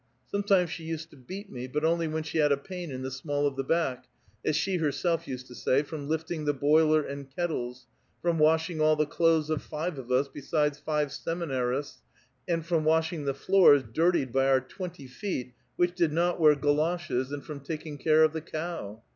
Sometimes she used to beat me, but only when she had a pain in the small of the back, as she herself used to say, from lifting the boiler and kettles, from washing all the clothes of five of us besides five semi narists, and from washing the floors dirtied by our twenty feet which did not wear galoshes^ and from taking care of the cow.